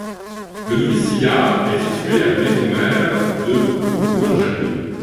Le noviciat est situé à la Maison-Mère de Bourgoin-Jallieu.